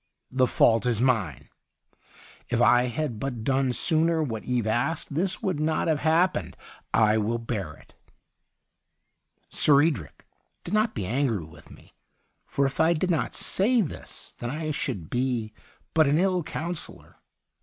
The fault is mine. If I had but done sooner what Eve asked, this would not have hap pened. I will bear it.' ' Sir Edric, do not be angry with me, for if I did not say this, then I should be but an ill counsellor.